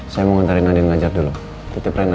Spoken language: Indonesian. saya mau ntarin nadine ngajar dulu tutup reina ya